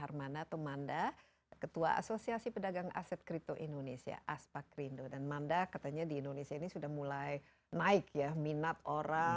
asosiasi pedagang aset kripto indonesia aspak rindo dan manda katanya di indonesia ini sudah mulai naik ya minat orang